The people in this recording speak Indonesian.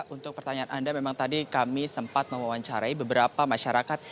untuk pertanyaan anda memang tadi kami sempat mewawancarai beberapa masyarakat